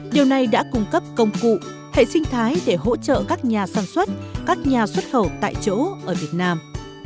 điều này đã cung cấp công cụ hệ sinh thái để hỗ trợ các nhà sản xuất các nhà xuất khẩu tại chỗ ở việt nam